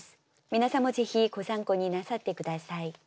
皆さんもぜひご参考になさって下さい。